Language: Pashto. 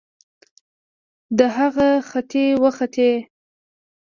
د هغه ختې وختې